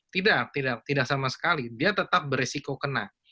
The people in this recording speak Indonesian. tidak tidak sama sekali dia tetap beresiko kena